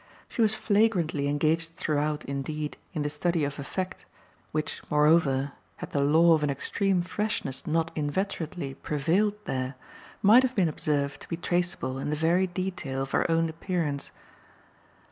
She was flagrantly engaged throughout indeed in the study of effect, which moreover, had the law of an extreme freshness not inveterately prevailed there, might have been observed to be traceable in the very detail of her own appearance.